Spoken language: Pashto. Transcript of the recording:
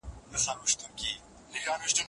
اسناد څنګه ساتل کیږي؟